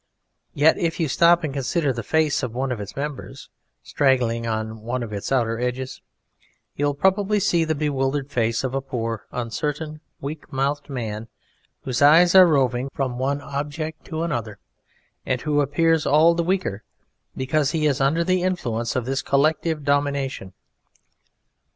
Yet if you stop and consider the face of one of its members straggling on one of its outer edges, you will probably see the bewildered face of a poor, uncertain, weak mouthed man whose eyes are roving from one object to another, and who appears all the weaker because he is under the influence of this collective domination.